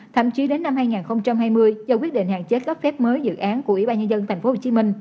thậm chí đến năm hai nghìn hai mươi do quyết định hạn chế lắp phép mới dự án của ủy ban nhân dân tp hcm